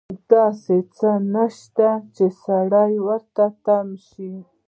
داسې څه نشته چې سړی ورته تم شي.